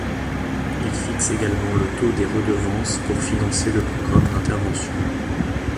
Il fixe également le taux des redevances pour financer le programme d’intervention.